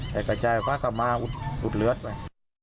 ให้กระจายภาคกลับมาอุดเหลือดไป